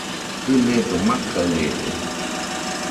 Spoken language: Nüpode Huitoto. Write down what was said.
Kɨnedo makaɨede